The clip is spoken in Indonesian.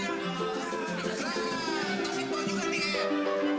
lah tasnya itu juga nih